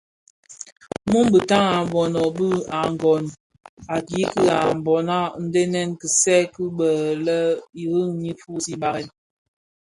Muu bitaň a mbono dhi agon I kiiki a Mbona ndhenèn kitsè dhi bè lè Iring ñyi fusii barèn.